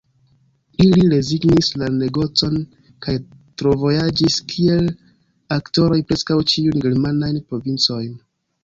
Ili rezignis la negocon kaj travojaĝis kiel aktoroj preskaŭ ĉiujn germanajn provincojn.